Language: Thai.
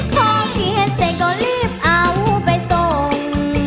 พอเขียนเสร็จก็รีบเอาไปส่ง